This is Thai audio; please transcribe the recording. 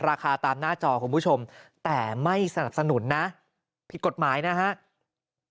ราคาตามหน้าจอคุณผู้ชมแต่ไม่สนับสนุนนะผิดกฎหมายนะครับ